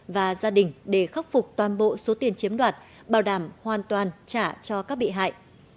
và gia đình để khắc phục toàn bộ số tiền chiếm đoạt bảo đảm hoàn toàn trả cho các bị hại